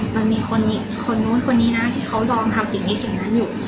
มันมีคนนู้นคนนี้นะที่เขายอมทำสิ่งนี้สิ่งนั้นอยู่